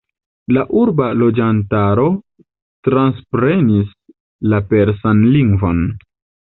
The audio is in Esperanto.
La urba loĝantaro transprenis la persan lingvon.